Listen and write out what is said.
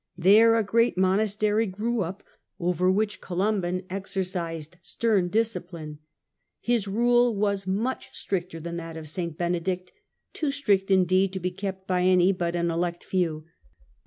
There a great monastery grew up, over which Columban exercised stern dis cipline. His rule was much stricter than that of St. Benedict — too strict, indeed, to be kept by any but an elect few.